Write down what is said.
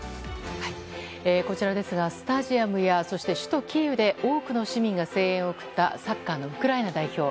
こちらですが、スタジアムや首都キーウで多くの市民が声援を送ったサッカーのウクライナ代表。